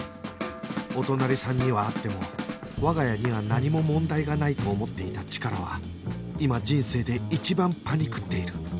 お隣さんにはあっても我が家には何も問題がないと思っていたチカラは今人生で一番パニクっている